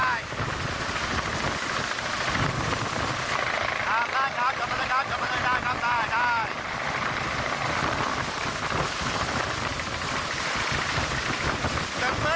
ได้ครับสังเกตได้ครับสังเกตได้ครับสังเกตได้ครับสังเกตได้ครับ